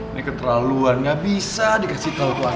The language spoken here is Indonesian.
ini keterlaluan gak bisa dikasih telpon